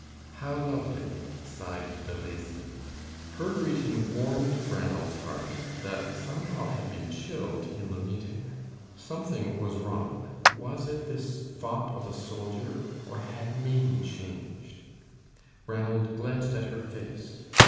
"How lovely!" sighed De Lacy. Her greeting warmed Ranald's heart that somehow had been chilled in the meeting. Something was wrong. Was it this fop of a soldier, or had Maimie changed? Ranald glanced at her face.